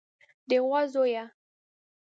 د غوا زويه.